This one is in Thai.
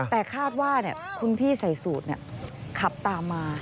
แต่คาดว่าคุณพี่ใส่สูตรขับตามมา